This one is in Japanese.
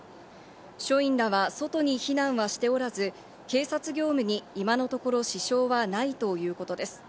署員らは外に避難はしておらず、警察業務に今のところ支障はないということです。